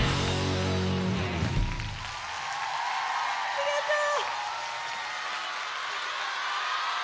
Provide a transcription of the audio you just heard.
ありがとう！